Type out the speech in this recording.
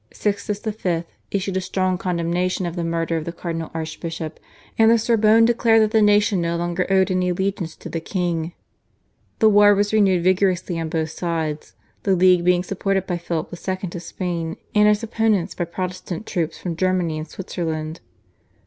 Sixtus V. issued a strong condemnation of the murder of the cardinal archbishop, and the Sorbonne declared that the nation no longer owed any allegiance to the king. The war was renewed vigorously on both sides, the League being supported by Philip II. of Spain and its opponents by Protestant troops from Germany and Switzerland.